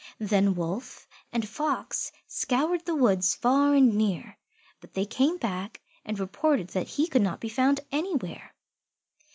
Then Wolf and Fox scoured the woods far and near, but they came back and reported that he could not be found anywhere.